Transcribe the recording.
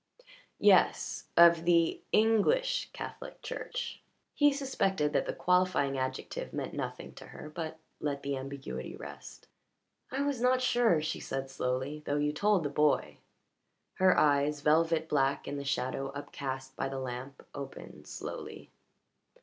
"Yes. Of the English Catholic Church." He suspected that the qualifying adjective meant nothing to her, but let the ambiguity rest. "I was not sure," she said slowly, "though you told the boy." Her eyes, velvet black in the shadow upcast by the lamp, opened slowly.